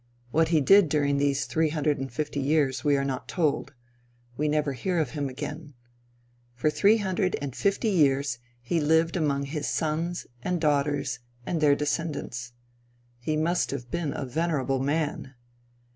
What he did during these three hundred and fifty years, we are not told. We never hear of him again. For three hundred and fifty years he lived among his sons, and daughters, and their descendants. He must have been a venerable man.